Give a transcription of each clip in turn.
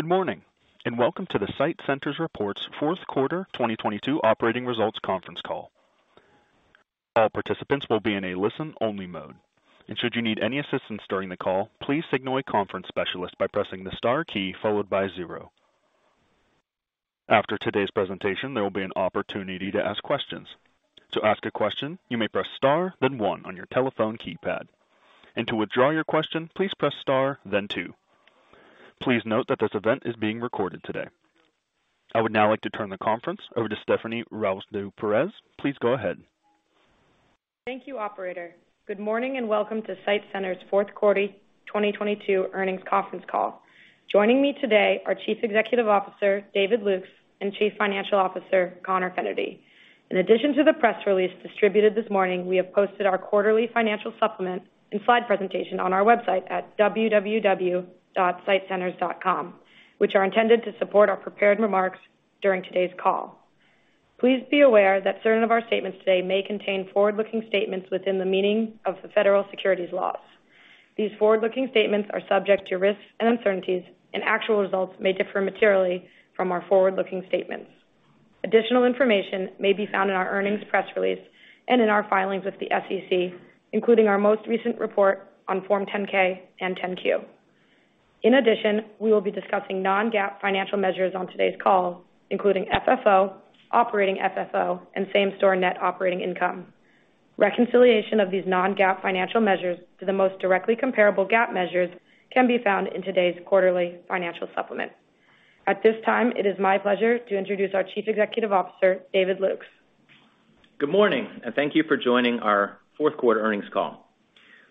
Good morning, and welcome to the SITE Centers Reports fourth quarter 2022 operating results conference call. All participants will be in a listen-only mode. Should you need any assistance during the call, please signal a conference specialist by pressing the star key followed by zero. After today's presentation, there will be an opportunity to ask questions. To ask a question, you may press Star, then one on your telephone keypad. To withdraw your question, please press Star, then two. Please note that this event is being recorded today. I would now like to turn the conference over to Stephanie Ruys de Perez. Please go ahead. Thank you, operator. Good morning and welcome to SITE Centers fourth quarter 2022 earnings conference call. Joining me today are Chief Executive Officer, David Lukes, and Chief Financial Officer, Conor Fennerty. In addition to the press release distributed this morning, we have posted our quarterly financial supplement and slide presentation on our website at www.sitecenters.com, which are intended to support our prepared remarks during today's call. Please be aware that certain of our statements today may contain forward-looking statements within the meaning of the federal securities laws. These forward-looking statements are subject to risks and uncertainties. Actual results may differ materially from our forward-looking statements. Additional information may be found in our earnings press release and in our filings with the SEC, including our most recent report on form 10-K and 10-Q. In addition, we will be discussing non-GAAP financial measures on today's call, including FFO, operating FFO, and same-store net operating income. Reconciliation of these non-GAAP financial measures to the most directly comparable GAAP measures can be found in today's quarterly financial supplement. At this time, it is my pleasure to introduce our Chief Executive Officer, David Lukes. Good morning. Thank you for joining our fourth quarter earnings call.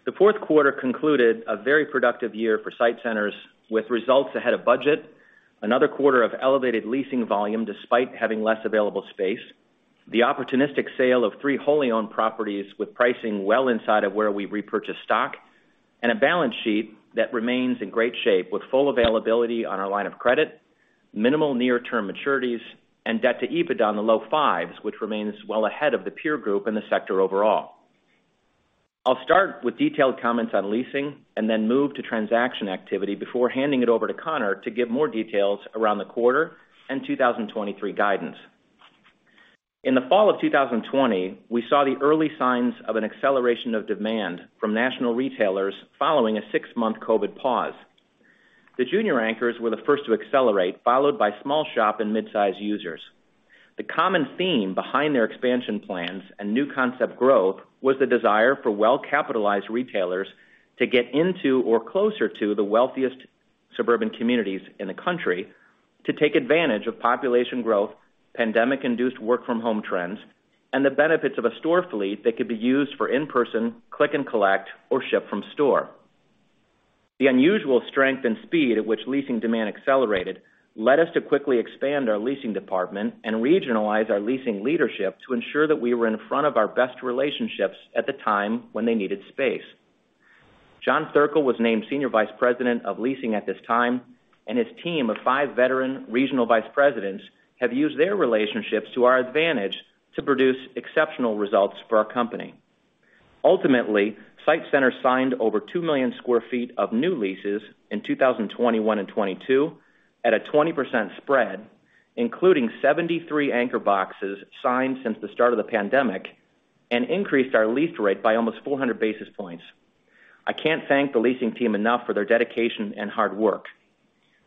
The fourth quarter concluded a very productive year for SITE Centers with results ahead of budget, another quarter of elevated leasing volume despite having less available space, the opportunistic sale of three wholly owned properties with pricing well inside of where we repurchase stock, and a balance sheet that remains in great shape with full availability on our line of credit, minimal near term maturities, and debt to EBITDA on the low 5s, which remains well ahead of the peer group in the sector overall. I'll start with detailed comments on leasing and then move to transaction activity before handing it over to Conor to give more details around the quarter and 2023 guidance. In the fall of 2020, we saw the early signs of an acceleration of demand from national retailers following a six-month Covid pause. The junior anchors were the first to accelerate, followed by small shop and mid-size users. The common theme behind their expansion plans and new concept growth was the desire for well-capitalized retailers to get into or closer to the wealthiest suburban communities in the country to take advantage of population growth, pandemic-induced work from home trends, and the benefits of a store fleet that could be used for in-person click and collect or ship from store. The unusual strength and speed at which leasing demand accelerated led us to quickly expand our leasing department and regionalize our leasing leadership to ensure that we were in front of our best relationships at the time when they needed space. John Thirkell was named Senior Vice President of Leasing at this time, and his team of five veteran regional vice presidents have used their relationships to our advantage to produce exceptional results for our company. Ultimately, SITE Centers signed over 2 million sq ft of new leases in 2021 and 2022 at a 20% spread, including 73 anchor boxes signed since the start of the pandemic, and increased our lease rate by almost 400 basis points. I can't thank the leasing team enough for their dedication and hard work.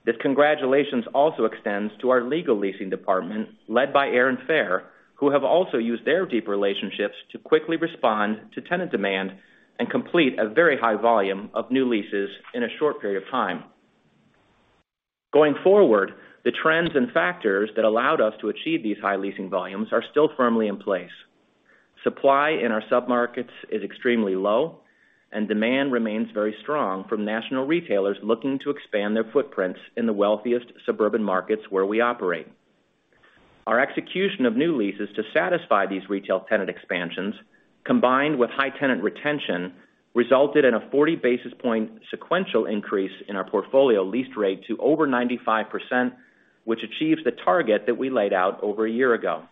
This congratulations also extends to our legal leasing department, led by Aaron Kitlowski, who have also used their deep relationships to quickly respond to tenant demand and complete a very high volume of new leases in a short period of time. Going forward, the trends and factors that allowed us to achieve these high leasing volumes are still firmly in place. Supply in our sub-markets is extremely low, and demand remains very strong from national retailers looking to expand their footprints in the wealthiest suburban markets where we operate. Our execution of new leases to satisfy these retail tenant expansions, combined with high tenant retention, resulted in a 40 basis point sequential increase in our portfolio leased rate to over 95%, which achieves the target that we laid out over a year ago.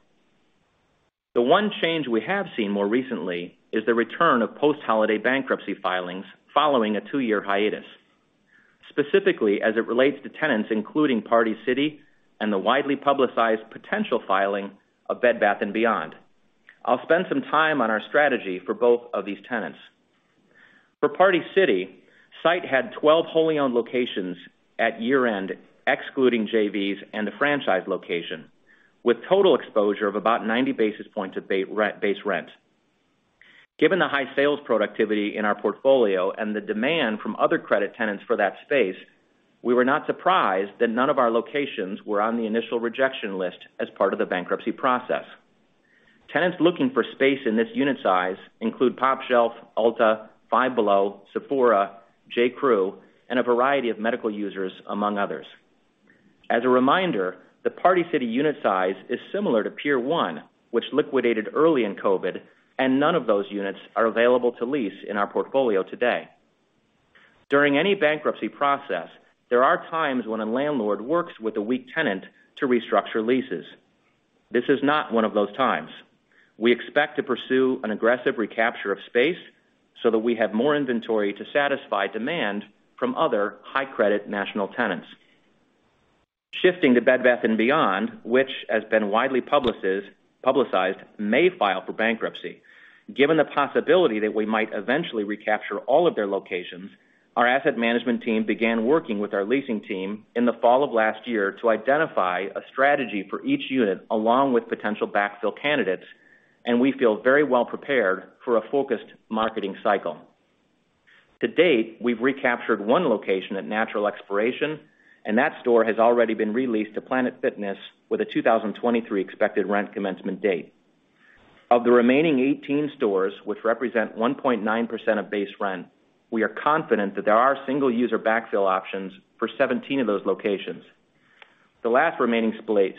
The one change we have seen more recently is the return of post-holiday bankruptcy filings following a two year hiatus, specifically as it relates to tenants including Party City and the widely publicized potential filing of Bed Bath & Beyond. I'll spend some time on our strategy for both of these tenants. For Party City, Site had 12 wholly owned locations at year-end, excluding JVs and the franchise location, with total exposure of about 90 basis points of base rent. Given the high sales productivity in our portfolio and the demand from other credit tenants for that space, we were not surprised that none of our locations were on the initial rejection list as part of the bankruptcy process. Tenants looking for space in this unit size include pOpshelf, Ulta, Five Below, Sephora, J.Crew, and a variety of medical users, among others. As a reminder, the Party City unit size is similar to Pier One, which liquidated early in Covid. None of those units are available to lease in our portfolio today. During any bankruptcy process, there are times when a landlord works with a weak tenant to restructure leases. This is not one of those times. We expect to pursue an aggressive recapture of space so that we have more inventory to satisfy demand from other high credit national tenants. Shifting to Bed Bath & Beyond, which has been widely publicized, may file for bankruptcy. Given the possibility that we might eventually recapture all of their locations, our asset management team began working with our leasing team in the fall of last year to identify a strategy for each unit along with potential backfill candidates, and we feel very well prepared for a focused marketing cycle. To date, we've recaptured one location at natural exploration, and that store has already been re-leased to Planet Fitness with a 2023 expected rent commencement date. Of the remaining 18 stores, which represent 1.9% of base rent, we are confident that there are single user backfill options for 17 of those locations. The last remaining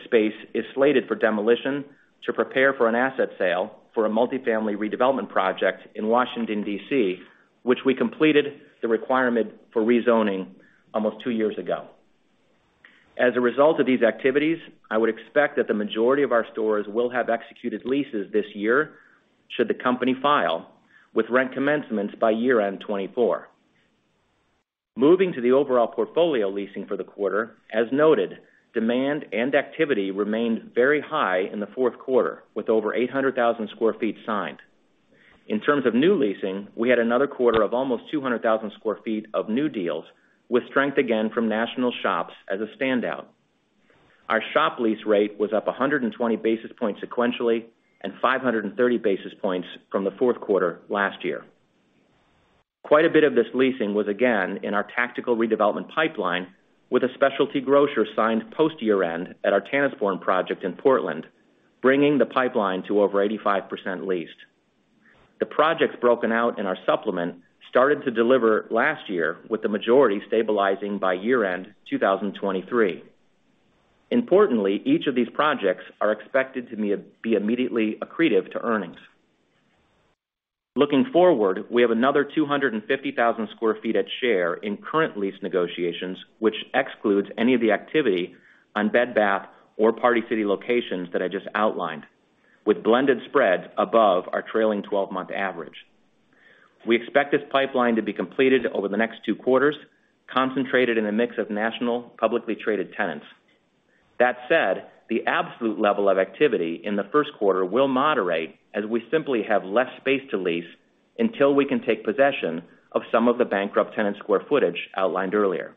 space is slated for demolition to prepare for an asset sale for a multi-family redevelopment project in Washington, DC, which we completed the requirement for rezoning almost two years ago. As a result of these activities, I would expect that the majority of our stores will have executed leases this year should the company file with rent commencements by year-end 2024. Moving to the overall portfolio leasing for the quarter, as noted, demand and activity remained very high in the fourth quarter with over 800,000 sq ft signed. In terms of new leasing, we had another quarter of almost 200,000 sq ft of new deals with strength again from national shops as a standout. Our shop lease rate was up 120 basis points sequentially and 530 basis points from the fourth quarter last year. Quite a bit of this leasing was again in our tactical redevelopment pipeline with a specialty grocer signed post year-end at our Tanasbourne project in Portland, bringing the pipeline to over 85% leased. The projects broken out in our supplement started to deliver last year, with the majority stabilizing by year-end 2023. Importantly, each of these projects are expected to be immediately accretive to earnings. Looking forward, we have another 250,000 sq ft at share in current lease negotiations, which excludes any of the activity on Bed Bath or Party City locations that I just outlined, with blended spreads above our trailing 12-month average. We expect this pipeline to be completed over the next two quarters, concentrated in a mix of national publicly traded tenants. That said, the absolute level of activity in the first quarter will moderate as we simply have less space to lease until we can take possession of some of the bankrupt tenant square footage outlined earlier.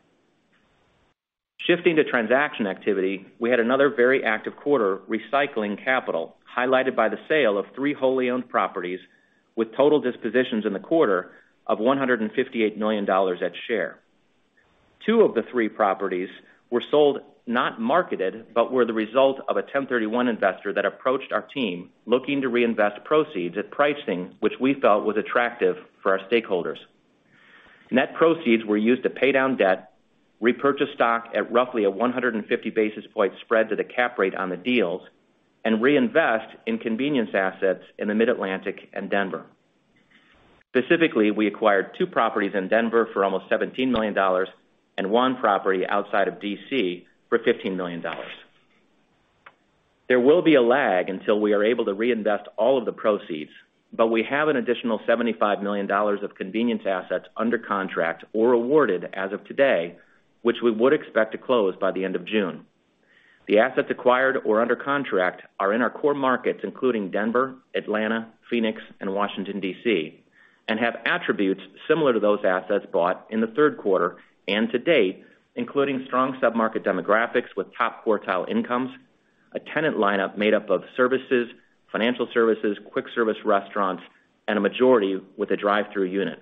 Shifting to transaction activity, we had another very active quarter recycling capital, highlighted by the sale of three wholly owned properties with total dispositions in the quarter of $158 million at share. two of the three properties were sold, not marketed, but were the result of a 1031 investor that approached our team looking to reinvest proceeds at pricing, which we felt was attractive for our stakeholders. Net proceeds were used to pay down debt, repurchase stock at roughly a 150 basis point spread to the cap rate on the deals, and reinvest in convenience assets in the Mid-Atlantic and Denver. Specifically, we acquired two properties in Denver for almost $17 million and one property outside of DC for $15 million. There will be a lag until we are able to reinvest all of the proceeds. We have an additional $75 million of convenience assets under contract or awarded as of today, which we would expect to close by the end of June. The assets acquired or under contract are in our core markets, including Denver, Atlanta, Phoenix, and Washington, DC, and have attributes similar to those assets bought in the third quarter and to date, including strong submarket demographics with top quartile incomes, a tenant lineup made up of services, financial services, quick service restaurants, and a majority with a drive-thru unit.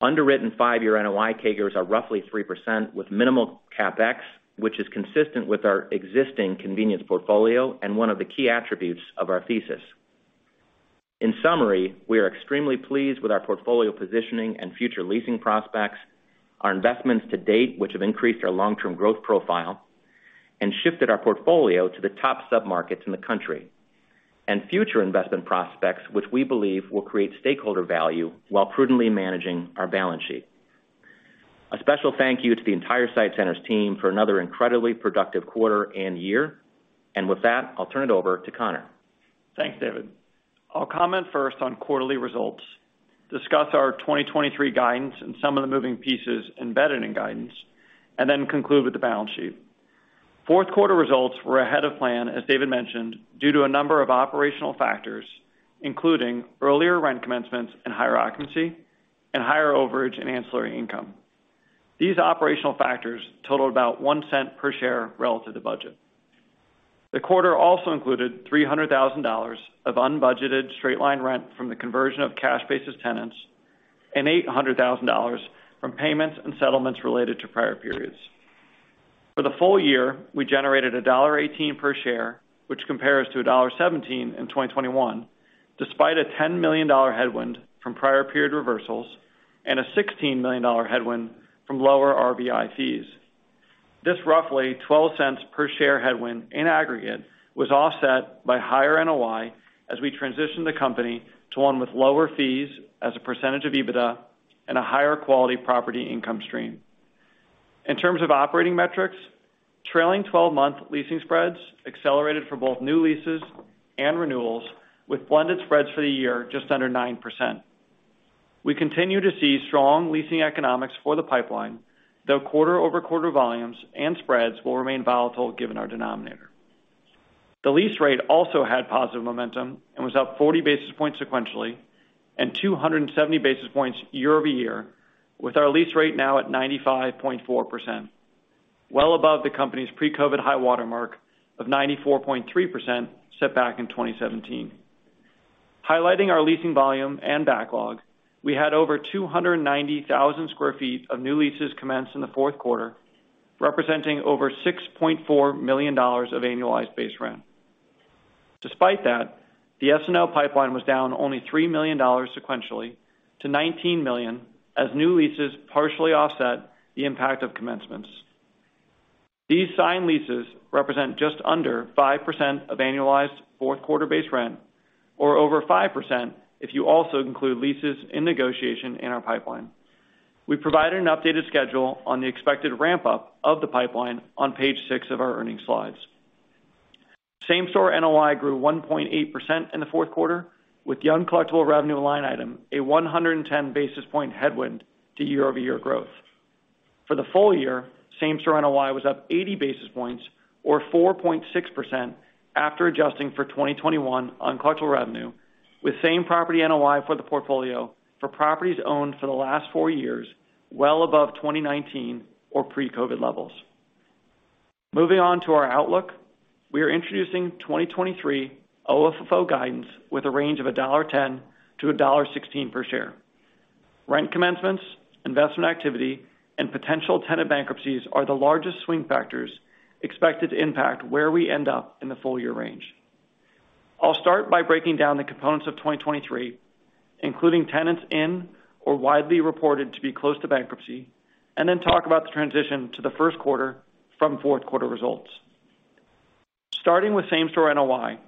Underwritten 5-year NOI CAGRs are roughly 3% with minimal CapEx, which is consistent with our existing convenience portfolio and one of the key attributes of our thesis. In summary, we are extremely pleased with our portfolio positioning and future leasing prospects, our investments to date, which have increased our long-term growth profile, and shifted our portfolio to the top submarkets in the country, and future investment prospects, which we believe will create stakeholder value while prudently managing our balance sheet. A special thank you to the entire SITE Centers team for another incredibly productive quarter and year. With that, I'll turn it over to Conor. Thanks, David. Then conclude with the balance sheet. Fourth quarter results were ahead of plan, as David mentioned, due to a number of operational factors, including earlier rent commencements and higher occupancy, higher overage and ancillary income. These operational factors totaled about $0.01 per share relative to budget. The quarter also included $300,000 of unbudgeted straight line rent from the conversion of cash-basis tenants and $800,000 from payments and settlements related to prior periods. For the full year, we generated $1.18 per share, which compares to $1.17 in 2021, despite a $10 million headwind from prior period reversals and a $16 million headwind from lower RVI fees. This roughly $0.12 per share headwind in aggregate was offset by higher NOI as we transition the company to one with lower fees as a percentage of EBITDA and a higher quality property income stream. In terms of operating metrics, trailing 12-month leasing spreads accelerated for both new leases and renewals, with blended spreads for the year just under 9%. We continue to see strong leasing economics for the pipeline, though quarter-over-quarter volumes and spreads will remain volatile given our denominator. The lease rate also had positive momentum and was up 40 basis points sequentially and 270 basis points year-over-year, with our lease rate now at 95.4%, well above the company's pre-Covid high watermark of 94.3% set back in 2017. Highlighting our leasing volume and backlog, we had over 290,000 square feet of new leases commenced in the fourth quarter, representing over $6.4 million of annualized base rent. Despite that, the SNO pipeline was down only $3 million sequentially to $19 million as new leases partially offset the impact of commencements. These signed leases represent just under 5% of annualized fourth quarter base rent, or over 5% if you also include leases in negotiation in our pipeline. We provided an updated schedule on the expected ramp up of the pipeline on page 6 of our earning slides. same-store NOI grew 1.8% in the fourth quarter, with the uncollectible revenue line item a 110 basis point headwind to year-over-year growth. For the full year, same-store NOI was up 80 basis points or 4.6% after adjusting for 2021 uncollectible revenue, with same property NOI for the portfolio for properties owned for the last four years, well above 2019 or pre-Covid levels. Moving on to our outlook. We are introducing 2023 OFFO guidance with a range of $1.10-$1.16 per share. Rent commencements, investment activity and potential tenant bankruptcies are the largest swing factors expected to impact where we end up in the full year range. I'll start by breaking down the components of 2023, including tenants in or widely reported to be close to bankruptcy, and then talk about the transition to the first quarter from fourth quarter results. Starting with same-store NOI,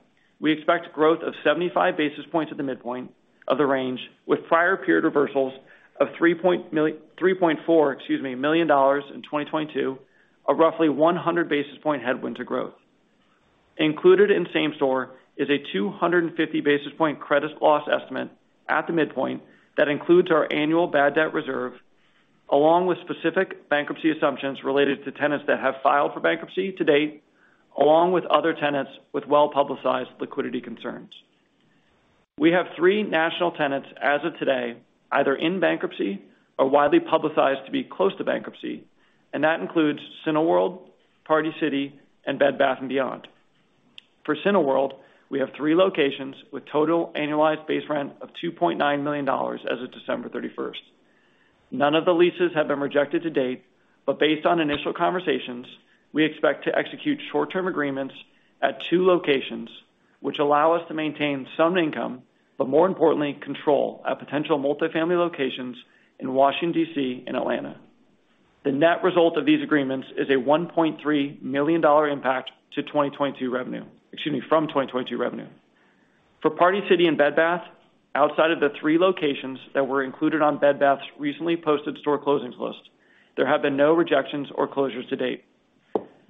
we expect growth of 75 basis points at the midpoint of the range, with prior period reversals of $3.4 million in 2022, a roughly 100 basis point headwind to growth. Included in same-store is a 250 basis point credit loss estimate at the midpoint that includes our annual bad debt reserve, along with specific bankruptcy assumptions related to tenants that have filed for bankruptcy to date, along with other tenants with well-publicized liquidity concerns. We have three national tenants as of today, either in bankruptcy or widely publicized to be close to bankruptcy, and that includes Cineworld, Party City and Bed Bath & Beyond. For Cineworld, we have 3 locations with total annualized base rent of $2.9 million as of December 31st. None of the leases have been rejected to date. Based on initial conversations, we expect to execute short term agreements at two locations which allow us to maintain some income, but more importantly, control at potential multifamily locations in Washington, D.C. and Atlanta. The net result of these agreements is a $1.3 million impact to 2022 revenue. Excuse me, from 2022 revenue. For Party City and Bed Bath, outside of the three locations that were included on Bed Bath's recently posted store closings list, there have been no rejections or closures to date.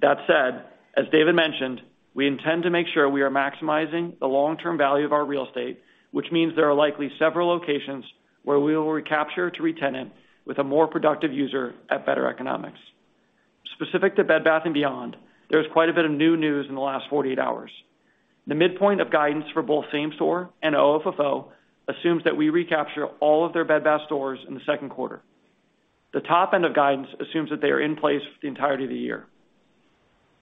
That said, as David mentioned, we intend to make sure we are maximizing the long term value of our real estate, which means there are likely several locations where we will recapture to retenant with a more productive user at better economics. Specific to Bed Bath & Beyond, there's quite a bit of new news in the last 48 hours. The midpoint of guidance for both same store and OFFO assumes that we recapture all of their Bed Bath stores in the second quarter. The top end of guidance assumes that they are in place for the entirety of the year.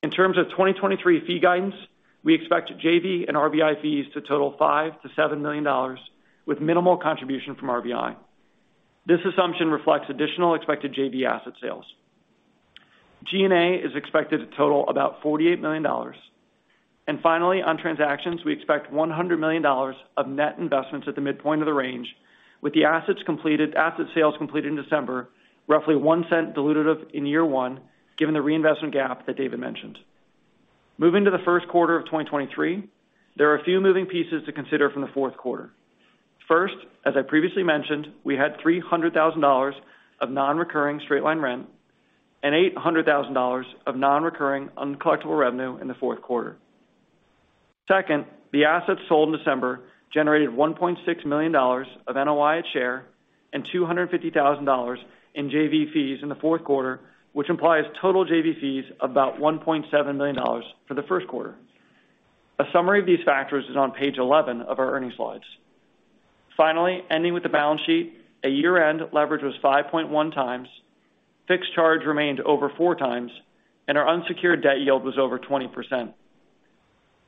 In terms of 2023 fee guidance, we expect JV and RVI fees to total $5 million-$7 million, with minimal contribution from RVI. This assumption reflects additional expected JV asset sales. G&A is expected to total about $48 million. Finally, on transactions, we expect $100 million of net investments at the midpoint of the range with the asset sales completed in December, roughly $0.01 dilutive in year one, given the reinvestment gap that David mentioned. Moving to the first quarter of 2023, there are a few moving pieces to consider from the fourth quarter. First, as I previously mentioned, we had $300,000 of non-recurring straight line rent and $800,000 of non-recurring uncollectible revenue in the fourth quarter. Second, the assets sold in December generated $1.6 million of NOI a share and $250,000 in JV fees in the fourth quarter, which implies total JV fees of about $1.7 million for the first quarter. A summary of these factors is on page 11 of our earnings slides. Finally ending with the balance sheet. At year-end, leverage was 5.1 times, fixed charge remained over four times, and our unsecured debt yield was over 20%.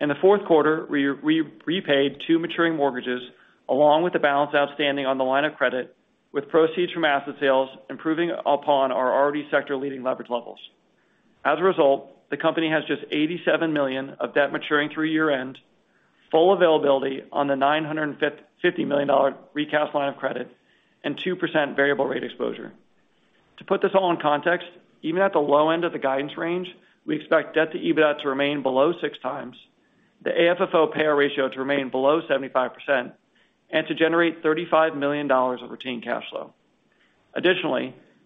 In the fourth quarter, we repaid two maturing mortgages along with the balance outstanding on the line of credit with proceeds from asset sales improving upon our already sector-leading leverage levels. The company has just $87 million of debt maturing through year-end, full availability on the $550 million recast line of credit and 2% variable rate exposure. To put this all in context, even at the low end of the guidance range, we expect debt to EBITDA to remain below six times. The AFFO payout ratio to remain below 75% and to generate $35 million of retained cash flow.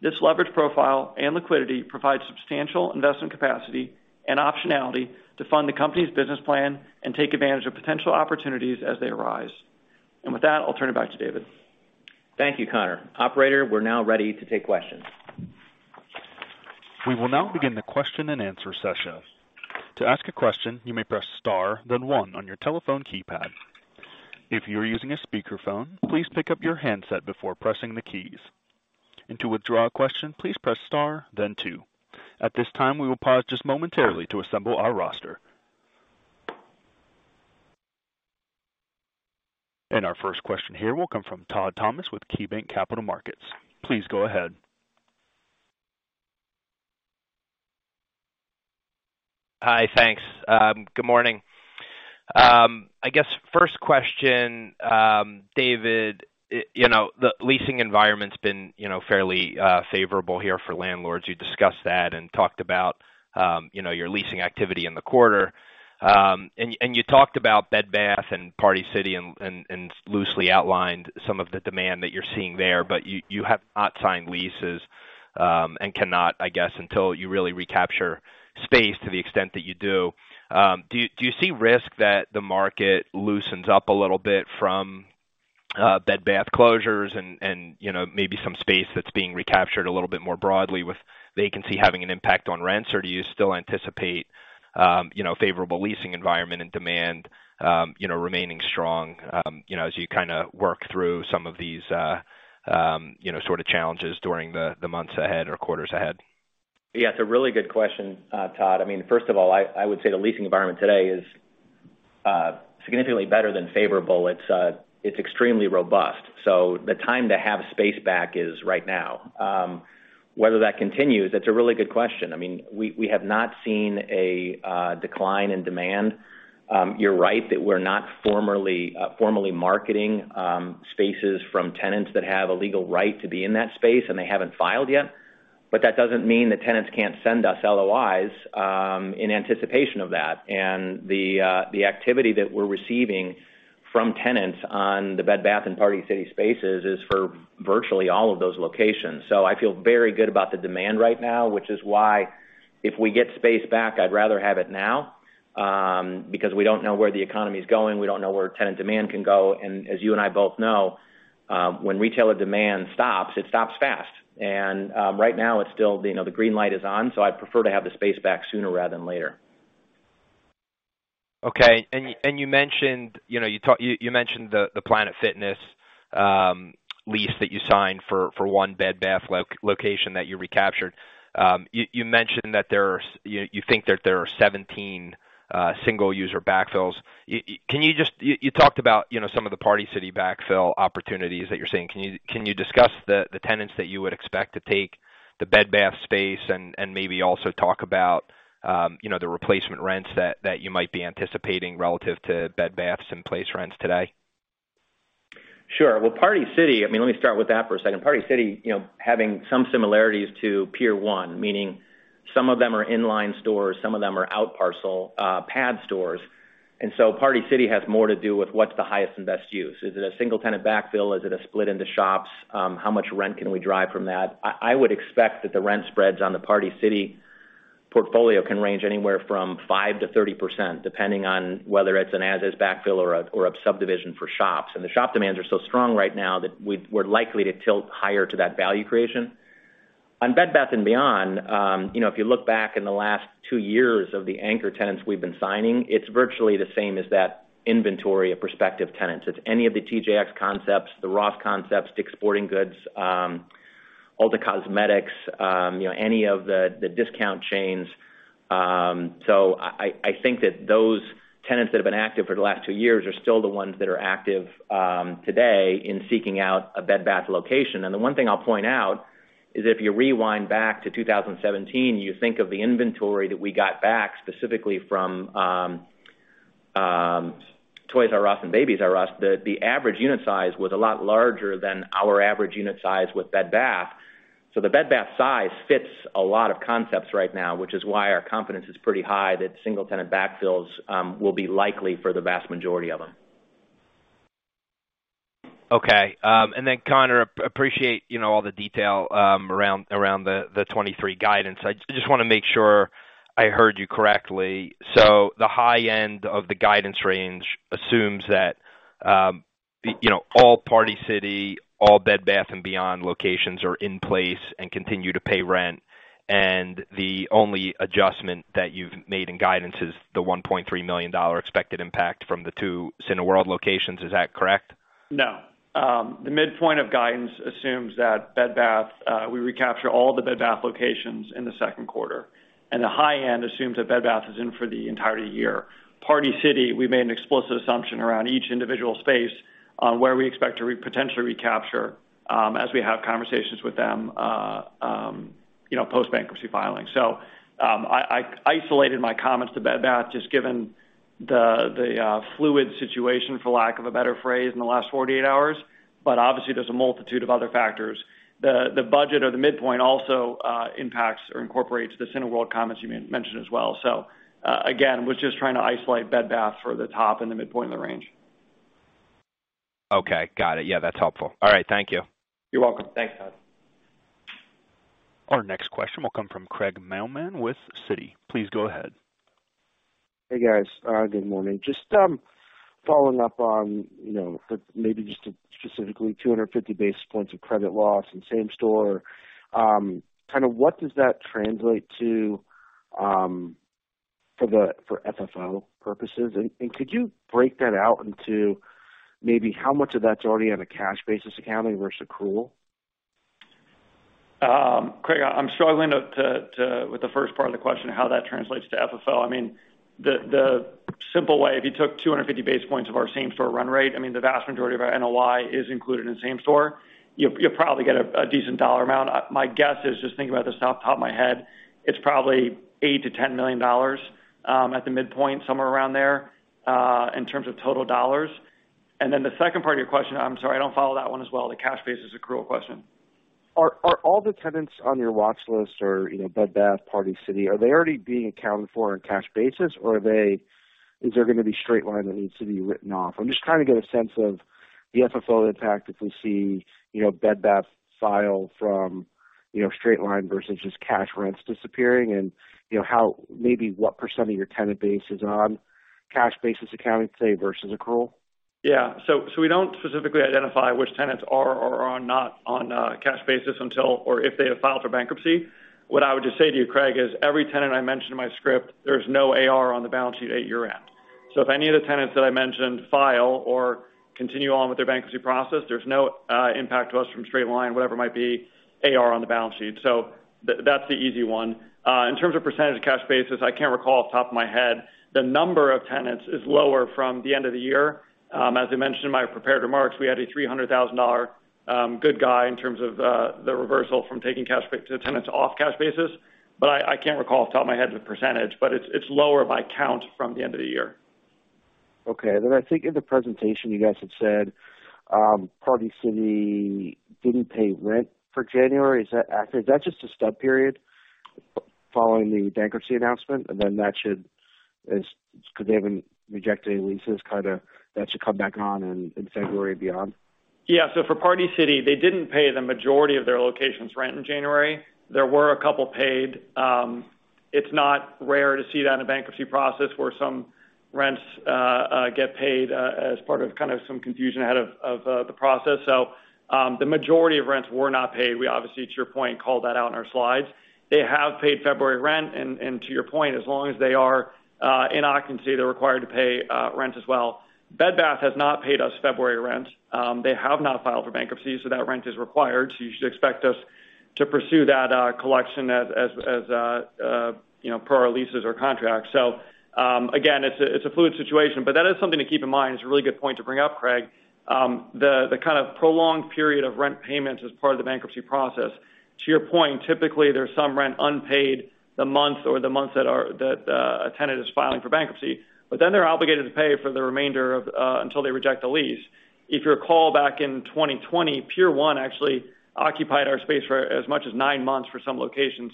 This leverage profile and liquidity provide substantial investment capacity and optionality to fund the company's business plan and take advantage of potential opportunities as they arise. With that, I'll turn it back to David. Thank you, Conor. Operator, we're now ready to take questions. We will now begin the question-and-answer session. To ask a question, you may press star then 1 on your telephone keypad. If you are using a speakerphone, please pick up your handset before pressing the keys. To withdraw a question, please press star then two. At this time, we will pause just momentarily to assemble our roster. Our first question here will come from Todd Thomas with KeyBanc Capital Markets. Please go ahead. Hi. Thanks. Good morning. I guess first question, David, you know, the leasing environment's been, you know, fairly favorable here for landlords. You discussed that and talked about, you know, your leasing activity in the quarter. And you talked about Bed Bath and Party City and loosely outlined some of the demand that you're seeing there. You have not signed leases, and cannot, I guess, until you really recapture space to the extent that you do. Do you see risk that the market loosens up a little bit from Bed Bath closures and, you know, maybe some space that's being recaptured a little bit more broadly with vacancy having an impact on rents? Do you still anticipate, you know, favorable leasing environment and demand, you know, remaining strong, you know, as you kind of work through some of these, you know, sort of challenges during the months ahead or quarters ahead? Yeah, it's a really good question, Todd. I mean, first of all, I would say the leasing environment today is significantly better than favorable. It's extremely robust. The time to have space back is right now. Whether that continues, that's a really good question. I mean, we have not seen a decline in demand. You're right that we're not formally marketing spaces from tenants that have a legal right to be in that space, and they haven't filed yet. That doesn't mean that tenants can't send us LOIs in anticipation of that. The activity that we're receiving from tenants on the Bed Bath and Party City spaces is for virtually all of those locations. I feel very good about the demand right now, which is why if we get space back, I'd rather have it now, because we don't know where the economy is going, we don't know where tenant demand can go. As you and I both know, when retailer demand stops, it stops fast. Right now it's still, you know, the green light is on, so I prefer to have the space back sooner rather than later. Okay. You mentioned, you know, the Planet Fitness lease that you signed for one Bed Bath location that you recaptured. You mentioned that you think that there are 17 single user backfills. You talked about, you know, some of the Party City backfill opportunities that you're seeing. Can you discuss the tenants that you would expect to take the Bed Bath space and maybe also talk about, you know, the replacement rents that you might be anticipating relative to Bed Bath's in-place rents today? Sure. Well, Party City, I mean, let me start with that for a second. Party City, you know, having some similarities to Pier 1, meaning some of them are in-line stores, some of them are out parcel pad stores. Party City has more to do with what's the highest and best use. Is it a single tenant backfill? Is it a split into shops? How much rent can we drive from that? I would expect that the rent spreads on the Party City portfolio can range anywhere from 5%-30%, depending on whether it's an as-is backfill or a subdivision for shops. The shop demands are so strong right now that we're likely to tilt higher to that value creation. On Bed Bath & Beyond, you know, if you look back in the last two years of the anchor tenants we've been signing, it's virtually the same as that inventory of prospective tenants. It's any of the TJX concepts, the Ross concepts, Sporting Goods, Ulta Cosmetics, you know, any of the discount chains. I think that those tenants that have been active for the last two years are still the ones that are active today in seeking out a Bed Bath location. The one thing I'll point out is if you rewind back to 2017, you think of the inventory that we got back specifically from Toys and Babies, the average unit size was a lot larger than our average unit size with Bed Bath. The Bed Bath size fits a lot of concepts right now, which is why our confidence is pretty high that single tenant backfills, will be likely for the vast majority of them. Okay. Conor, appreciate, you know, all the detail, around the 2023 guidance. I just wanna make sure I heard you correctly. The high end of the guidance range assumes that, you know, all Party City, all Bed Bath & Beyond locations are in place and continue to pay rent, and the only adjustment that you've made in guidance is the $1.3 million expected impact from the two Cineworld locations. Is that correct? No. The midpoint of guidance assumes that Bed Bath, we recapture all the Bed Bath locations in the second quarter, and the high end assumes that Bed Bath is in for the entirety year. Party City, we made an explicit assumption around each individual space on where we expect to potentially recapture, as we have conversations with them, you know, post-bankruptcy filing. I isolated my comments to Bed Bath just given the fluid situation, for lack of a better phrase, in the last 48 hours. Obviously, there's a multitude of other factors. The budget or the midpoint also impacts or incorporates the Cineworld comments you mentioned as well. Again, was just trying to isolate Bed Bath for the top and the midpoint of the range. Okay. Got it. Yeah, that's helpful. All right, thank you. You're welcome. Thanks, Todd. Our next question will come from Craig Mailman with Citi. Please go ahead. Hey, guys. Good morning. Just, following up on, you know, for maybe just specifically 250 basis points of credit loss and same store, kind of what does that translate to for FFO purposes? Could you break that out into maybe how much of that's already on a cash basis accounting versus accrual? Craig, I'm struggling with the first part of the question, how that translates to FFO. I mean, the simple way, if you took 250 basis points of our same store run rate, I mean, the vast majority of our NOI is included in same store. You probably get a decent dollar amount. My guess is just thinking about this off the top of my head, it's probably $8 million-$10 million at the midpoint, somewhere around there in terms of total dollars. Then the second part of your question, I'm sorry, I don't follow that one as well, the cash basis accrual question. Are all the tenants on your watch list or, you know, Bed Bath, Party City, are they already being accounted for on cash basis, or is there gonna be straight line that needs to be written off? I'm just trying to get a sense of the FFO impact if we see, you know, Bed Bath file from, you know, straight line versus just cash rents disappearing and, you know, how maybe what percentage of your tenant base is on cash basis accounting, say, versus accrual. Yeah. We don't specifically identify which tenants are or are not on cash basis until or if they have filed for bankruptcy. What I would just say to you, Craig, is every tenant I mentioned in my script, there's no AR on the balance sheet at year-end. If any of the tenants that I mentioned file or continue on with their bankruptcy process, there's no impact to us from straight line, whatever it might be, AR on the balance sheet. That's the easy one. In terms of percentage of cash basis, I can't recall off the top of my head. The number of tenants is lower from the end of the year. As I mentioned in my prepared remarks, we had a $300,000, good guy in terms of, the reversal from taking cash to tenants off cash basis. I can't recall off the top of my head the percentage, but it's lower by count from the end of the year. I think in the presentation, you guys had said, Party City didn't pay rent for January. Is that accurate? Is that just a stub period following the bankruptcy announcement? That should... Could they have been rejecting leases kind of that should come back on in February beyond? Yeah. For Party City, they didn't pay the majority of their locations rent in January. There were a couple paid. It's not rare to see that in a bankruptcy process where some rents get paid as part of kind of some confusion out of the process. The majority of rents were not paid. We obviously, to your point, called that out in our slides. They have paid February rent. To your point, as long as they are in occupancy, they're required to pay rent as well. Bed Bath has not paid us February rent. They have not filed for bankruptcy, that rent is required. You should expect us to pursue that collection as, you know, per our leases or contracts. Again, it's a fluid situation, but that is something to keep in mind. It's a really good point to bring up, Craig. The kind of prolonged period of rent payments as part of the bankruptcy process. To your point, typically, there's some rent unpaid the month or the months that a tenant is filing for bankruptcy, but then they're obligated to pay for the remainder until they reject the lease. If you recall back in 2020, Pier One actually occupied our space for as much as nine months for some locations.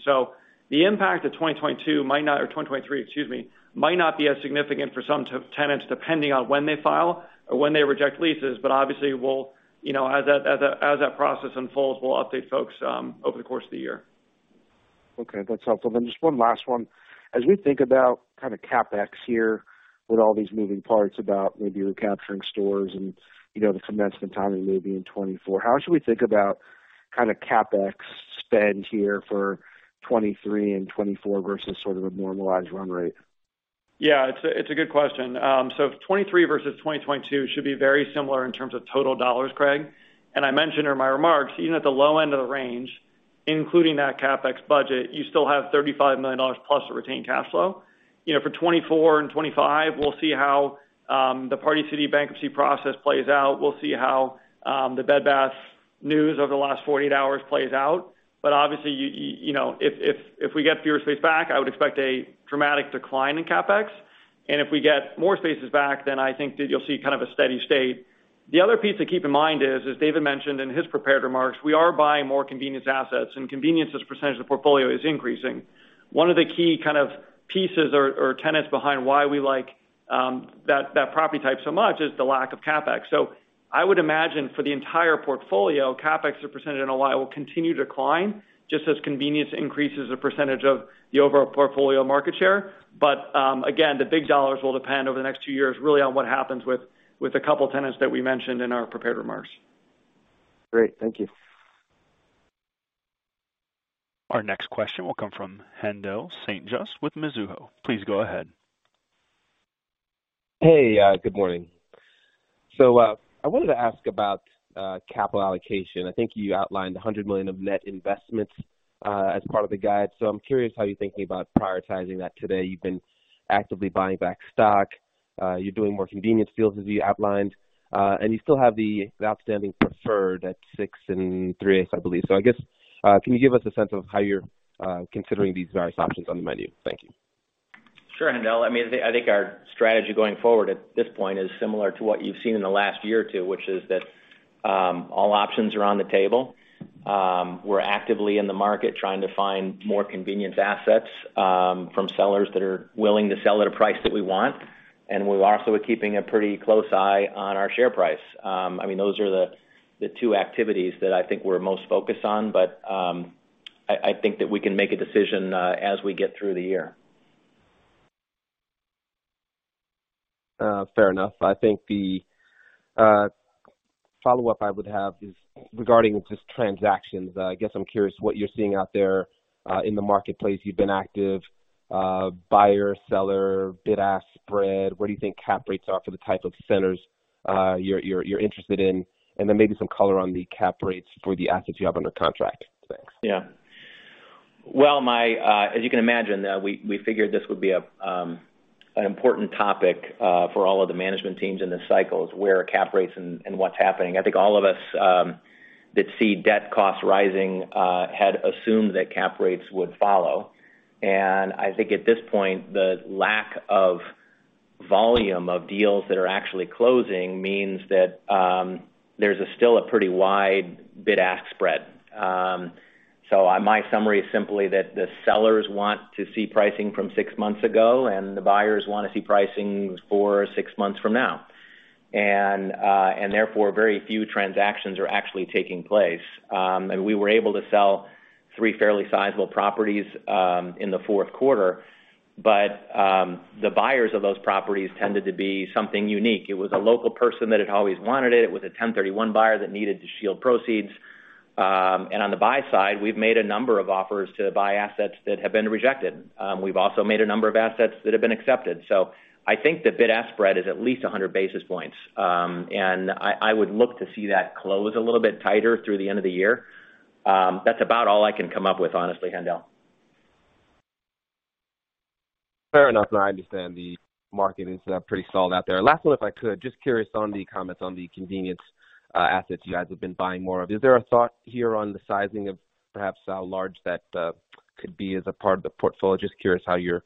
The impact of 2022 might not... or 2023, excuse me, might not be as significant for some tenants, depending on when they file or when they reject leases. Obviously we'll, you know, as that process unfolds, we'll update folks, over the course of the year. Okay, that's helpful. Just one last one. As we think about kind of CapEx here with all these moving parts about maybe recapturing stores and, you know, the commencement timing maybe in 2024, how should we think about kind of CapEx spend here for 2023 and 2024 versus sort of a normalized run rate? Yeah, it's a good question. 2023 versus 2022 should be very similar in terms of total dollars, Craig. I mentioned in my remarks, even at the low end of the range, including that CapEx budget, you still have $35 million plus to retain cash flow. You know, for 2024 and 2025, we'll see how the Party City bankruptcy process plays out. We'll see how the Bed Bath news over the last 48 hours plays out. Obviously, you know, if we get Pier space back, I would expect a dramatic decline in CapEx. If we get more spaces back, then I think that you'll see kind of a steady state. The other piece to keep in mind is, as David mentioned in his prepared remarks, we are buying more convenience assets and convenience as a percentage of the portfolio is increasing. One of the key kind of pieces or tenants behind why we like that property type so much is the lack of CapEx. I would imagine for the entire portfolio, CapEx as a percentage of NOI will continue to decline just as convenience increases the percentage of the overall portfolio market share. Again, the big dollars will depend over the next two years, really on what happens with a couple tenants that we mentioned in our prepared remarks. Great. Thank you. Our next question will come from Haendel St. Juste with Mizuho. Please go ahead. Hey, good morning. I wanted to ask about capital allocation. I think you outlined $100 million of net investments as part of the guide. I'm curious how you're thinking about prioritizing that today. You've been actively buying back stock, you're doing more convenience deals as you outlined, and you still have the outstanding preferred at six and three-eighths, I believe. I guess, can you give us a sense of how you're considering these various options on the menu? Thank you. Sure, Haendel. I mean, I think our strategy going forward at this point is similar to what you've seen in the last year or two, which is that. All options are on the table. We're actively in the market trying to find more convenience assets, from sellers that are willing to sell at a price that we want. We're also keeping a pretty close eye on our share price. I mean, those are the two activities that I think we're most focused on, I think that we can make a decision as we get through the year. Fair enough. I think the follow-up I would have is regarding just transactions. I guess I'm curious what you're seeing out there in the marketplace. You've been active buyer, seller, bid-ask spread. Where do you think cap rates are for the type of centers you're interested in? Then maybe some color on the cap rates for the assets you have under contract. Thanks. Well, As you can imagine, we figured this would be an important topic for all of the management teams in this cycle is where cap rates and what's happening. I think all of us that see debt costs rising had assumed that cap rates would follow. I think at this point, the lack of volume of deals that are actually closing means that there's still a pretty wide bid-ask spread. My summary is simply that the sellers want to see pricing from six months ago, and the buyers wanna see pricing for six months from now. Therefore, very few transactions are actually taking place. We were able to sell three fairly sizable properties in the fourth quarter, the buyers of those properties tended to be something unique. It was a local person that had always wanted it. It was a 1031 buyer that needed to shield proceeds. On the buy side, we've made a number of offers to buy assets that have been rejected. We've also made a number of assets that have been accepted. I think the bid-ask spread is at least 100 basis points. I would look to see that close a little bit tighter through the end of the year. That's about all I can come up with, honestly, Hendel. Fair enough. I understand the market is pretty solid out there. Last one, if I could, just curious on the comments on the convenience assets you guys have been buying more of. Is there a thought here on the sizing of perhaps how large that could be as a part of the portfolio? Just curious how you're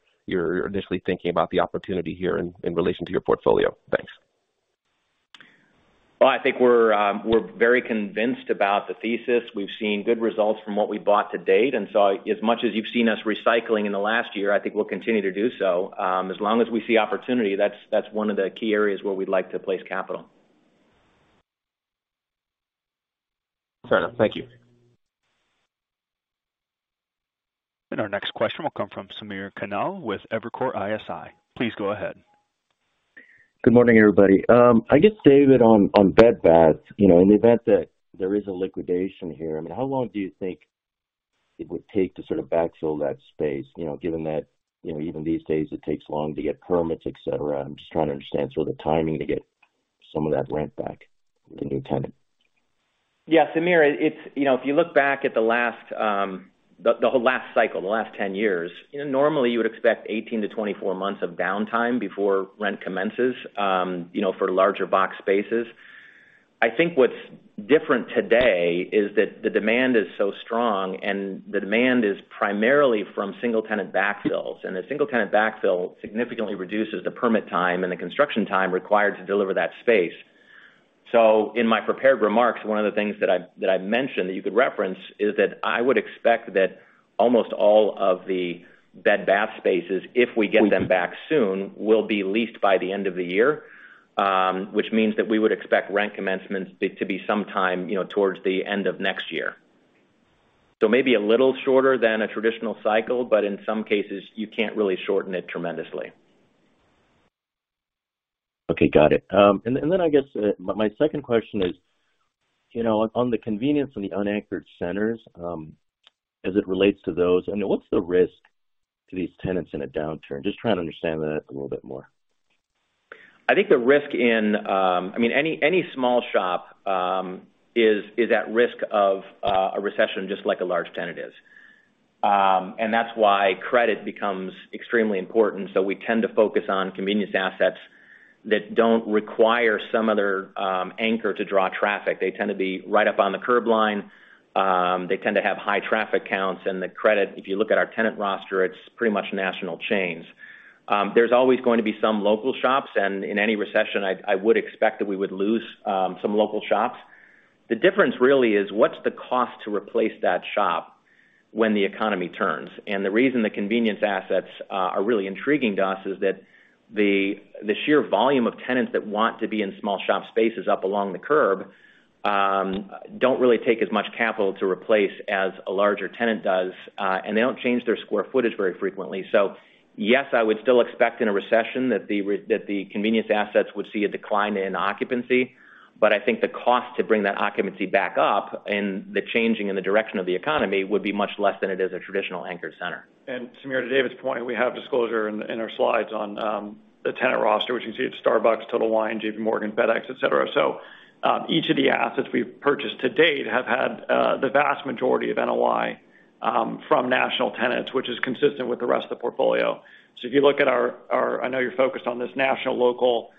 initially thinking about the opportunity here in relation to your portfolio. Thanks. Well, I think we're very convinced about the thesis. We've seen good results from what we bought to date. As much as you've seen us recycling in the last year, I think we'll continue to do so. As long as we see opportunity, that's one of the key areas where we'd like to place capital. Fair enough. Thank you. Our next question will come from Samir Khanal with Evercore ISI. Please go ahead. Good morning, everybody. I guess, David, on Bed Bath, you know, in the event that there is a liquidation here, I mean, how long do you think it would take to sort of backfill that space, you know, given that, you know, even these days it takes long to get permits, et cetera? I'm just trying to understand sort of timing to get some of that rent back with the new tenant. Samir, it's, you know, if you look back at the whole last cycle, the last 10 years, you know, normally you would expect 18-24 months of downtime before rent commences, you know, for larger box spaces. I think what's different today is that the demand is so strong, and the demand is primarily from single-tenant backfills, and the single-tenant backfill significantly reduces the permit time and the construction time required to deliver that space. In my prepared remarks, one of the things that I mentioned that you could reference is that I would expect that almost all of the Bed Bath spaces, if we get them back soon, will be leased by the end of the year, which means that we would expect rent commencement to be sometime, you know, towards the end of next year. Maybe a little shorter than a traditional cycle, but in some cases you can't really shorten it tremendously. Okay, got it. I guess my second question is, you know, on the convenience and the unanchored centers, as it relates to those, I mean, what's the risk to these tenants in a downturn? Just trying to understand that a little bit more. I think the risk in, I mean, any small shop is at risk of a recession just like a large tenant is. That's why credit becomes extremely important, so we tend to focus on convenience assets that don't require some other anchor to draw traffic. They tend to be right up on the curb line. They tend to have high traffic counts. The credit, if you look at our tenant roster, it's pretty much national chains. There's always going to be some local shops, and in any recession, I would expect that we would lose some local shops. The difference really is what's the cost to replace that shop when the economy turns. The reason the convenience assets are really intriguing to us is that the sheer volume of tenants that want to be in small shop spaces up along the curb don't really take as much capital to replace as a larger tenant does, and they don't change their square footage very frequently. Yes, I would still expect in a recession that the convenience assets would see a decline in occupancy, but I think the cost to bring that occupancy back up and the changing in the direction of the economy would be much less than it is a traditional anchored center. Samir, to David's point, we have disclosure in our slides on the tenant roster, which you can see it's Starbucks, Total Wine, J.P. Morgan, FedEx, et cetera. Each of the assets we've purchased to date have had the vast majority of NOI from national tenants, which is consistent with the rest of the portfolio. If you look at our I know you're focused on this national/local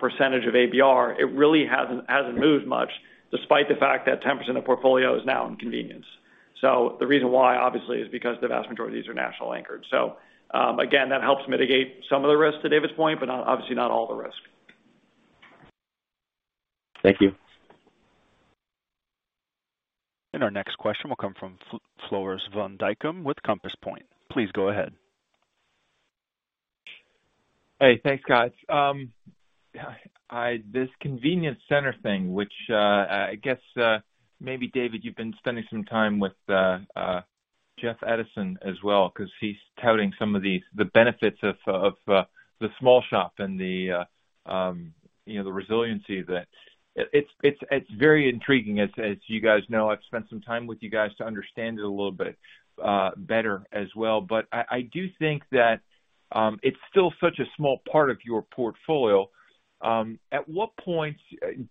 percentage of ABR, it really hasn't moved much. Despite the fact that 10% of the portfolio is now in convenience. The reason why, obviously, is because the vast majority of these are national anchored. Again, that helps mitigate some of the risks to David's point, but obviously not all the risk. Thank you. Our next question will come from Floris van Dijkum with Compass Point. Please go ahead. Hey, thanks, guys. This convenience center thing, which, I guess, maybe David, you've been spending some time with, Jeff Edison as well, 'cause he's touting some of the benefits of, the small shop and the, you know, the resiliency that. It's very intriguing. As, as you guys know, I've spent some time with you guys to understand it a little bit, better as well. I do think that, it's still such a small part of your portfolio. At what point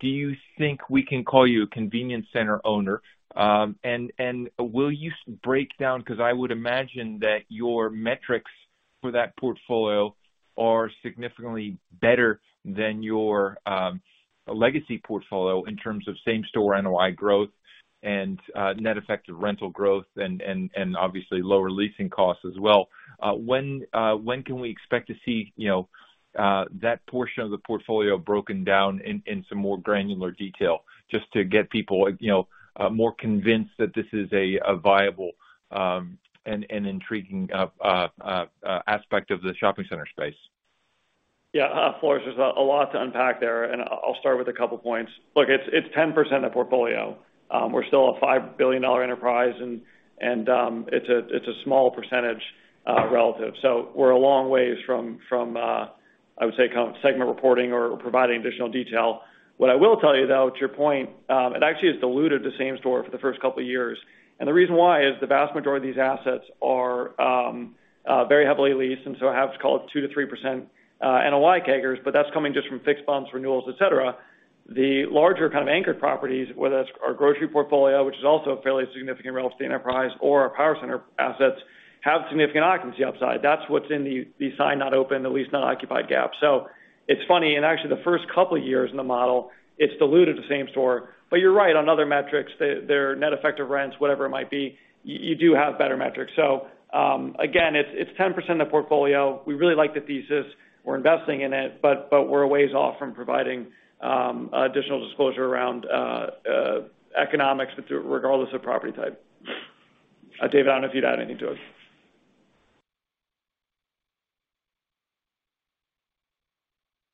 do you think we can call you a convenience center owner? Will you break down, 'cause I would imagine that your metrics for that portfolio are significantly better than your legacy portfolio in terms of same-store NOI growth and net effective rental growth and obviously lower leasing costs as well. When can we expect to see, you know, that portion of the portfolio broken down in some more granular detail just to get people, you know, more convinced that this is a viable and intriguing aspect of the shopping center space? Yeah. Floris, there's a lot to unpack there, and I'll start with a couple points. Look, it's 10% of the portfolio. We're still a $5 billion enterprise, and it's a small percentage relative. We're a long ways from I would say kind of segment reporting or providing additional detail. What I will tell you, though, to your point, it actually has diluted the same-store for the first couple of years. The reason why is the vast majority of these assets are very heavily leased, and so I have to call it 2%-3% NOI CAGRs, but that's coming just from fixed bumps, renewals, et cetera. The larger kind of anchored properties, whether that's our grocery portfolio, which is also a fairly significant relative to the enterprise or our power center assets, have significant occupancy upside. That's what's in the signed but not open, at least not occupied gap. It's funny, and actually the first couple of years in the model, it's diluted the same-store. You're right, on other metrics, their net effective rents, whatever it might be, you do have better metrics. Again, it's 10% of the portfolio. We really like the thesis. We're investing in it, but we're a ways off from providing additional disclosure around economics regardless of property type. David, I don't know if you'd add anything to it.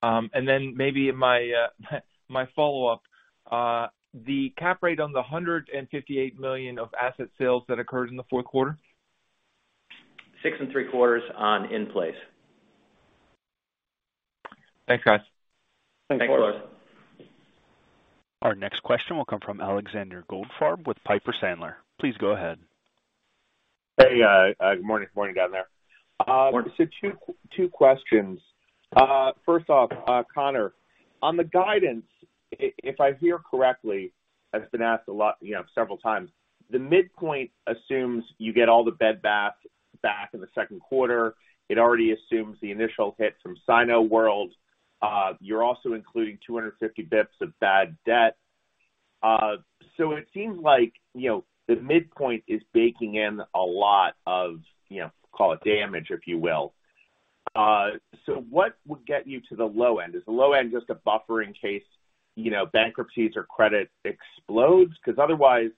My follow-up, the cap rate on the $158 million of asset sales that occurred in the fourth quarter? 6.75% on in place. Thanks, guys. Thanks, Floris. Thanks, Floris. Our next question will come from Alexander Goldfarb with Piper Sandler. Please go ahead. Hey, good morning. Good morning, down there. Morning. Two questions. First off, Conor, on the guidance, if I hear correctly, it's been asked a lot, you know, several times, the midpoint assumes you get all the Bed Bath back in the second quarter. It already assumes the initial hit from Cineworld. You're also including 250 basis points of bad debt. It seems like, you know, the midpoint is baking in a lot of, you know, call it damage, if you will. What would get you to the low end? Is the low end just a buffer in case, you know, bankruptcies or credit explodes? 'Cause otherwise,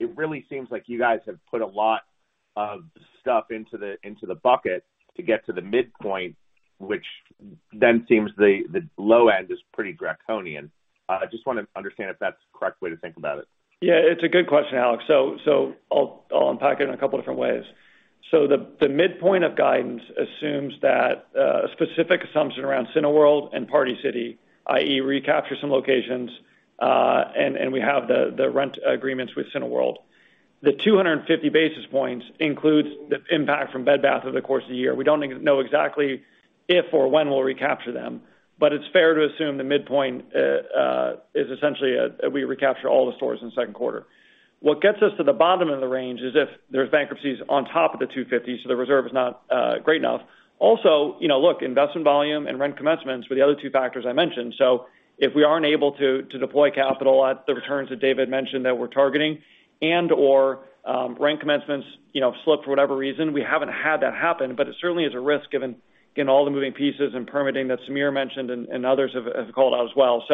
it really seems like you guys have put a lot of stuff into the bucket to get to the midpoint, which then seems the low end is pretty draconian. Just wanna understand if that's the correct way to think about it. Yeah, it's a good question, Alex. I'll unpack it in a couple different ways. The midpoint of guidance assumes that a specific assumption around Cineworld and Party City, i.e. recapture some locations, and we have the rent agreements with Cineworld. The 250 basis points includes the impact from Bed Bath over the course of the year. We don't even know exactly if or when we'll recapture them, but it's fair to assume the midpoint is essentially that we recapture all the stores in the second quarter. What gets us to the bottom of the range is if there's bankruptcies on top of the 250, so the reserve is not great enough. You know, look, investment volume and rent commencements were the other two factors I mentioned. If we aren't able to deploy capital at the returns that David mentioned that we're targeting and/or rent commencements, you know, slip for whatever reason, we haven't had that happen, but it certainly is a risk given, again, all the moving pieces and permitting that Samir mentioned and others have called out as well.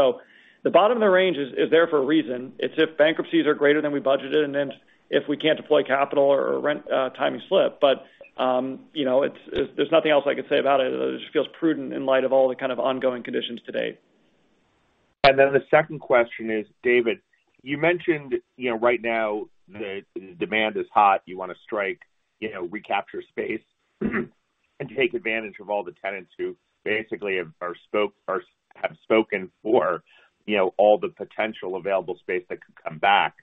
The bottom of the range is there for a reason. It's if bankruptcies are greater than we budgeted, and then if we can't deploy capital or rent timing slip. You know, it's there's nothing else I can say about it. It just feels prudent in light of all the kind of ongoing conditions to date. The second question is, David, you mentioned, you know, right now the demand is hot. You wanna strike, you know, recapture space and take advantage of all the tenants who basically have spoken for, you know, all the potential available space that could come back.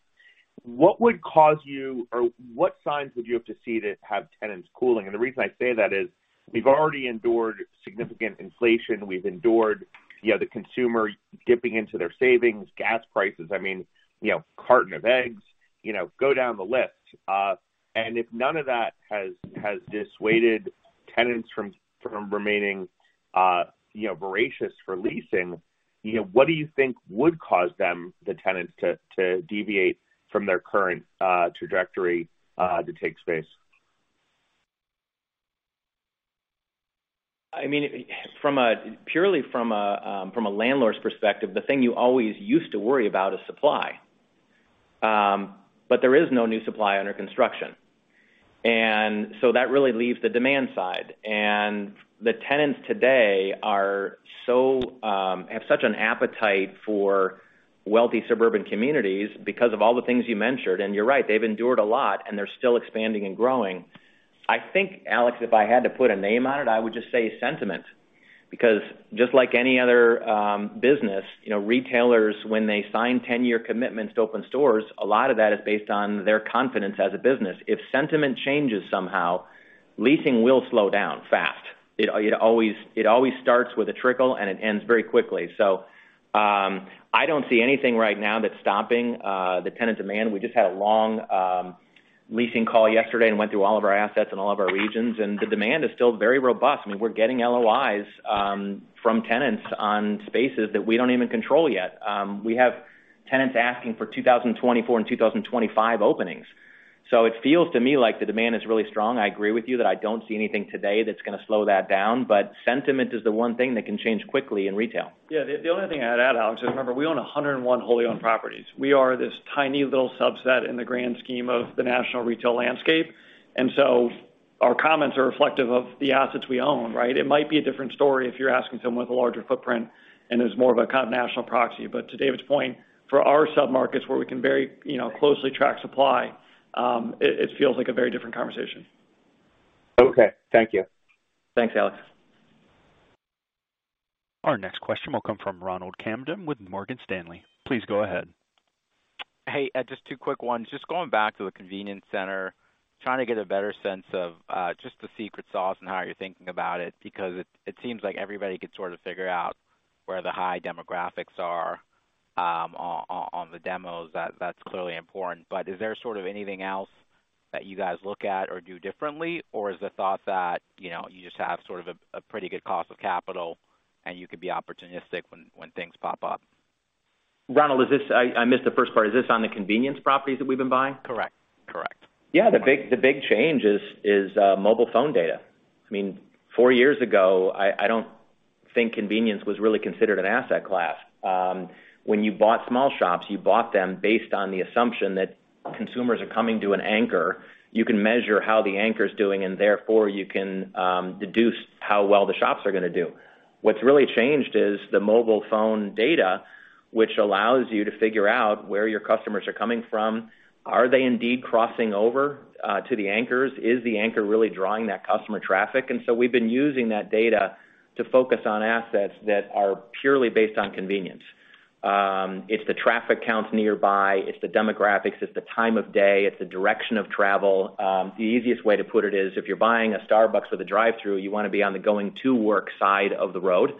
What would cause you or what signs would you have to see that have tenants cooling? The reason I say that is we've already endured significant inflation. We've endured, you know, the consumer dipping into their savings, gas prices. I mean, you know, carton of eggs, you know, go down the list. If none of that has dissuaded tenants from remaining You know, voracious for leasing, you know, what do you think would cause them, the tenants, to deviate from their current trajectory to take space? I mean, purely from a landlord's perspective, the thing you always used to worry about is supply. But there is no new supply under construction. That really leaves the demand side. The tenants today are so, have such an appetite for wealthy suburban communities because of all the things you mentioned. You're right, they've endured a lot, and they're still expanding and growing. I think, Alex, if I had to put a name on it, I would just say sentiment. Because just like any other business, you know, retailers, when they sign 10-year commitments to open stores, a lot of that is based on their confidence as a business. If sentiment changes somehow, leasing will slow down fast. It always starts with a trickle, and it ends very quickly. I don't see anything right now that's stopping the tenant demand. We just had a long leasing call yesterday and went through all of our assets in all of our regions, and the demand is still very robust. I mean, we're getting LOIs from tenants on spaces that we don't even control yet. We have tenants asking for 2024 and 2025 openings. It feels to me like the demand is really strong. I agree with you that I don't see anything today that's gonna slow that down. Sentiment is the one thing that can change quickly in retail. Yeah. The only thing I'd add, Alex, is remember, we own 101 wholly owned properties. We are this tiny little subset in the grand scheme of the national retail landscape, and so our comments are reflective of the assets we own, right? It might be a different story if you're asking someone with a larger footprint, and is more of a kind of national proxy. To David's point, for our submarkets where we can very, you know, closely track supply, it feels like a very different conversation. Okay. Thank you. Thanks, Alex. Our next question will come from Ronald Kamdem with Morgan Stanley. Please go ahead. Hey, just two quick ones. Just going back to the convenience center, trying to get a better sense of just the secret sauce and how you're thinking about it, because it seems like everybody could sort of figure out where the high demographics are on the demos. That's clearly important. But is there sort of anything else that you guys look at or do differently, or is the thought that, you know, you just have sort of a pretty good cost of capital, and you could be opportunistic when things pop up? Ronald, I missed the first part. Is this on the convenience properties that we've been buying? Correct. Yeah. The big change is mobile phone data. I mean, four years ago, I don't think convenience was really considered an asset class. When you bought small shops, you bought them based on the assumption that consumers are coming to an anchor. You can measure how the anchor's doing. Therefore, you can deduce how well the shops are gonna do. What's really changed is the mobile phone data, which allows you to figure out where your customers are coming from. Are they indeed crossing over to the anchors? Is the anchor really drawing that customer traffic? We've been using that data to focus on assets that are purely based on convenience. It's the traffic counts nearby, it's the demographics, it's the time of day, it's the direction of travel. The easiest way to put it is, if you're buying a Starbucks with a drive-through, you wanna be on the going-to-work side of the road.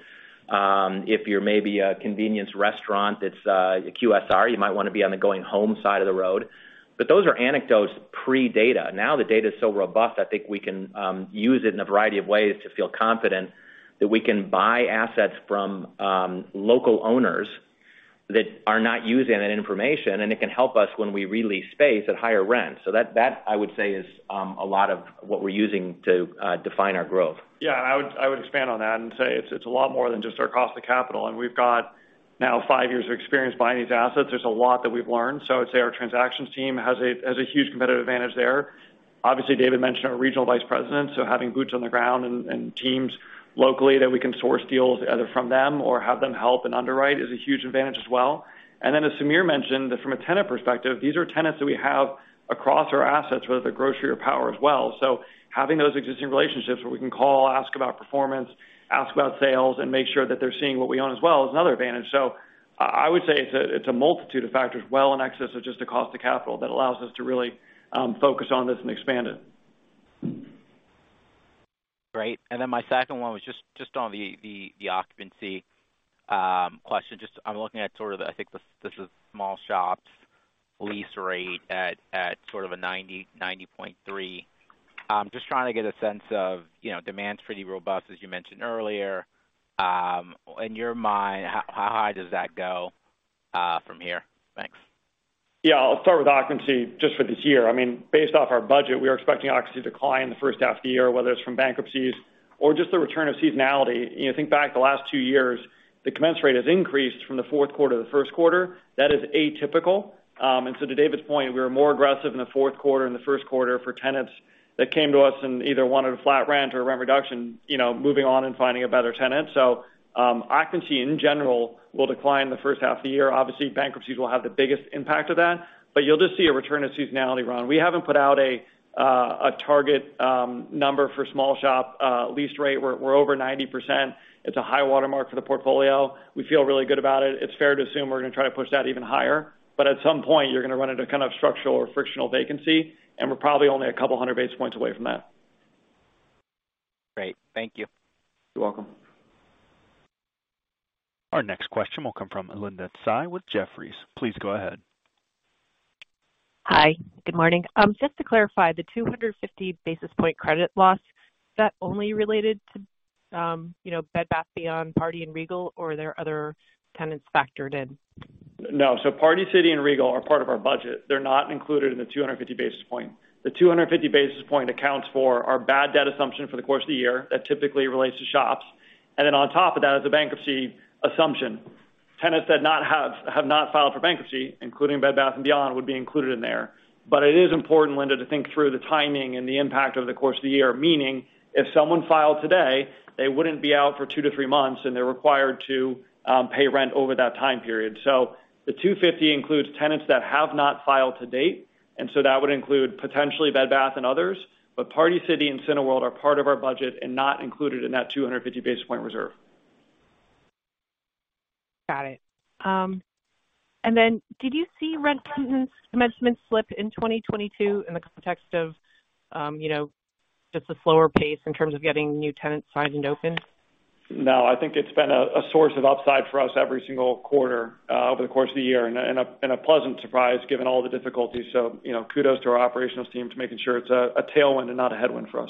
If you're maybe a convenience restaurant, it's a QSR, you might wanna be on the going-home side of the road. Those are anecdotes pre-data. Now the data is so robust, I think we can use it in a variety of ways to feel confident that we can buy assets from local owners that are not using that information, and it can help us when we re-lease space at higher rents. That, that, I would say, is a lot of what we're using to define our growth. Yeah. I would expand on that and say it's a lot more than just our cost of capital. We've got now 5 years of experience buying these assets. There's a lot that we've learned. So I'd say our transactions team has a huge competitive advantage there. Obviously, David mentioned our regional vice presidents, so having boots on the ground and teams locally that we can source deals either from them or have them help and underwrite is a huge advantage as well. Then as Samir mentioned, from a tenant perspective, these are tenants that we have across our assets, whether they're grocery or power as well. So having those existing relationships where we can call, ask about performance, ask about sales, and make sure that they're seeing what we own as well is another advantage. I would say it's a multitude of factors well in excess of just the cost of capital that allows us to really focus on this and expand it. Great. My second one was just on the occupancy question. I'm looking at sort of, I think this is small shops lease rate at sort of a 90.3. Just trying to get a sense of, you know, demand's pretty robust, as you mentioned earlier. In your mind, how high does that go from here? Thanks. Yeah. I'll start with occupancy just for this year. I mean, based off our budget, we are expecting occupancy to decline in the first half of the year, whether it's from bankruptcies or just the return of seasonality. You know, think back the last two years, the commence rate has increased from the fourth quarter to the first quarter. That is atypical. To David's point, we were more aggressive in the fourth quarter and the first quarter for tenants that came to us and either wanted a flat rent or a rent reduction, you know, moving on and finding a better tenant. Occupancy in general will decline in the first half of the year. Obviously, bankruptcies will have the biggest impact of that, but you'll just see a return of seasonality, Ron. We haven't put out a target number for small shop lease rate. We're over 90%. It's a high watermark for the portfolio. We feel really good about it. It's fair to assume we're gonna try to push that even higher. At some point, you're gonna run into kind of structural or frictional vacancy, and we're probably only a couple hundred basis points away from that. Great. Thank you. You're welcome. Our next question will come from Linda Tsai with Jefferies. Please go ahead. Hi, good morning. Just to clarify, the 250 basis points credit loss, is that only related to, you know, Bed Bath & Beyond, Party and Regal or are there other tenants factored in? No. Party City and Regal are part of our budget. They're not included in the 250 basis points. The 250 basis points accounts for our bad debt assumption for the course of the year that typically relates to shops. Then on top of that is a bankruptcy assumption. Tenants that have not filed for bankruptcy, including Bed Bath & Beyond, would be included in there. It is important, Linda, to think through the timing and the impact over the course of the year. Meaning if someone filed today, they wouldn't be out for 2-3 months and they're required to pay rent over that time period. The 250 includes tenants that have not filed to date, and so that would include potentially Bed Bath and others. Party City and Cineworld are part of our budget and not included in that 250 basis point reserve. Got it. Then did you see rent commencement slip in 2022 in the context of, you know, just a slower pace in terms of getting new tenants signed and opened? No, I think it's been a source of upside for us every single quarter over the course of the year, and a pleasant surprise given all the difficulties. You know, kudos to our operational team to making sure it's a tailwind and not a headwind for us.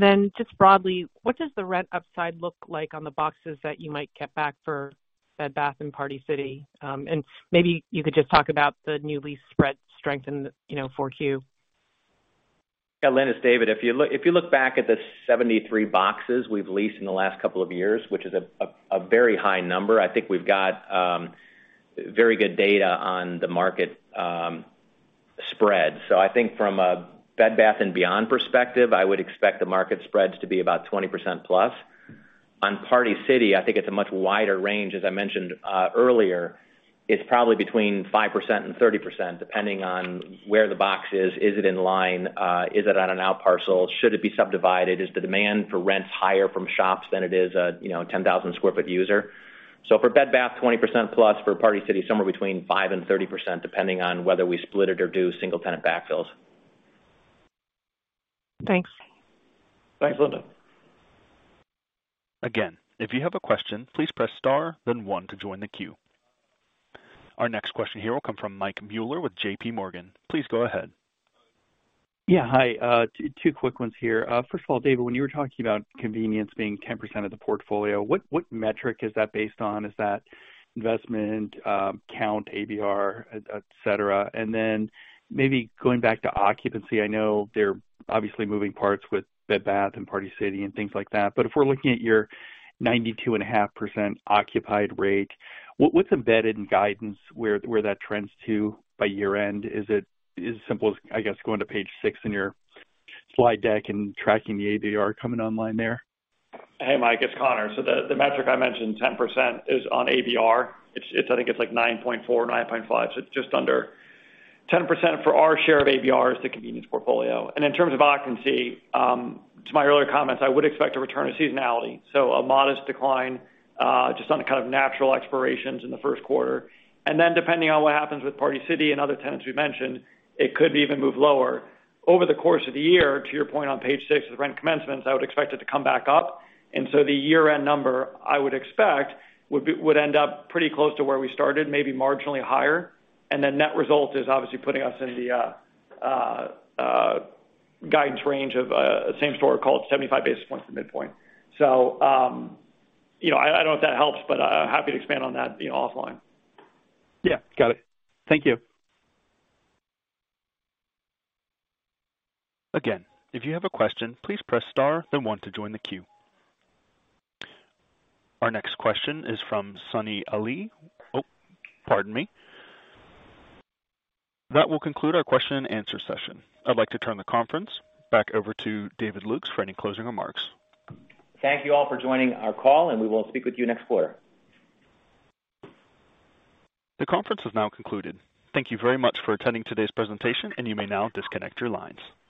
Then just broadly, what does the rent upside look like on the boxes that you might get back for Bed Bath and Party City? Maybe you could just talk about the new lease spread strength in, you know, 4Q. Linda Tsai, it's David Lukes. If you look back at the 73 boxes we've leased in the last couple of years, which is a very high number, I think we've got very good data on the market spread. I think from a Bed Bath & Beyond perspective, I would expect the market spreads to be about 20% plus. On Party City, I think it's a much wider range. As I mentioned earlier, it's probably between 5% and 30%, depending on where the box is. Is it in line? Is it on an out parcel? Should it be subdivided? Is the demand for rents higher from shops than it is a you know, 10,000 sq ft user. For Bed Bath, 20% plus. For Party City, somewhere between 5% and 30%, depending on whether we split it or do single tenant backfills. Thanks. Thanks, Linda. If you have a question, please press star then one to join the queue. Our next question here will come from Mike Mueller with J.P. Morgan. Please go ahead. Yeah. Hi, two quick ones here. First of all, David, when you were talking about convenience being 10% of the portfolio, what metric is that based on? Is that investment count, ABR, et cetera? Then maybe going back to occupancy, I know they're obviously moving parts with Bed Bath and Party City and things like that, but if we're looking at your 92.5% occupied rate, what's embedded in guidance where that trends to by year end? Is it as simple as, I guess, going to page 6 in your slide deck and tracking the ABR coming online there? Hey, Mike, it's Connor. The metric I mentioned, 10%, is on ABR. I think it's like 9.4, 9.5, so it's just under. 10% for our share of ABR is the convenience portfolio. In terms of occupancy, to my earlier comments, I would expect a return to seasonality, so a modest decline, just on the kind of natural expirations in the first quarter. Depending on what happens with Party City and other tenants we mentioned, it could even move lower. Over the course of the year, to your point on page 6 with rent commencements, I would expect it to come back up, the year-end number I would expect would end up pretty close to where we started, maybe marginally higher. Net result is obviously putting us in the guidance range ofsame-store call it 75 basis points to midpoint. I don't know if that helps, but I'm happy to expand on that, you know, offline. Yeah, got it. Thank you. Again, if you have a question, please press star then one to join the queue. Our next question is from Sunny Ali. Oh, pardon me. That will conclude our question and answer session. I'd like to turn the conference back over to David Lukes for any closing remarks. Thank you all for joining our call, and we will speak with you next quarter. The conference has now concluded. Thank you very much for attending today's presentation. You may now disconnect your lines.